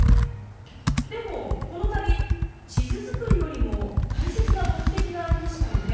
でもこの旅地図作りよりも大切な目的がありましたよね。